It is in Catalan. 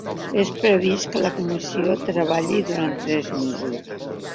És previst que la comissió treballi durant tres mesos.